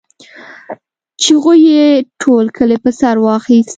چيغو يې ټول کلی په سر واخيست.